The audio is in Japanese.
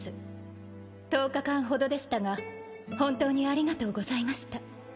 「十日間ほどでしたが本当にありがとうございました」